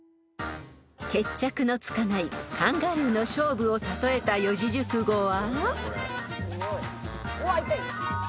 ［決着のつかないカンガルーの勝負を例えた四字熟語は］